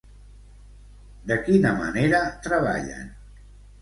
De quina manera treballen?